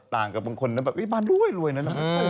ต่างกับบางคนบ้านรวยนะ